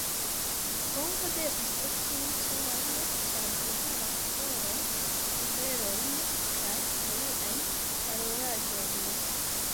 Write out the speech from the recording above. Kongo devus esti riĉa lando, ĉar ĝi havas oron, juvelojn kaj aliajn valoraĵojn.